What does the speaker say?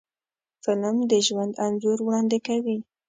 فلم د ژوند انځور وړاندې کوي